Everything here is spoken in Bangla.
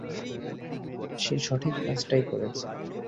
সে সঠিক কাজটাই করেছে।